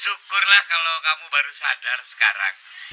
syukurlah kalau kamu baru sadar sekarang